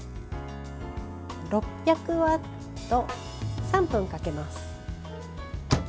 ６００ワット３分かけます。